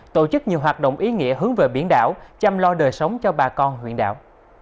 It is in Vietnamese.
tổ chức nhiều hoạt động ý nghĩa hướng về biển đảo chăm lo đời sống cho bà con huyện đảo